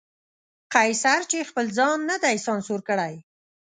قیصر چې خپل ځان نه دی سانسور کړی.